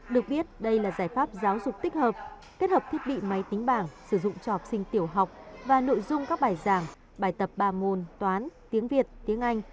được biết đây là giải pháp giáo dục tích hợp kết hợp thiết bị máy tính bảng sử dụng cho học sinh tiểu học và nội dung các bài giảng bài tập ba môn toán tiếng việt tiếng anh